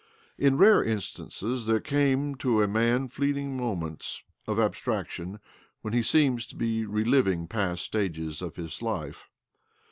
In rare instances there come to a man fleeting moments of abstrac tion when he seems to be reliving past stages of his life.